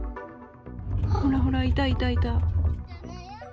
ほらほら、いたいたいた！